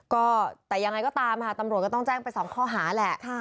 ก็แต่ยังไงก็ตามค่ะตำรวจก็ต้องแจ้งไป๒ข้อหาแหละ